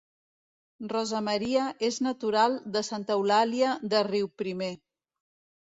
Rosa Maria és natural de Santa Eulàlia de Riuprimer